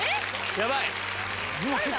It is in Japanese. やばい。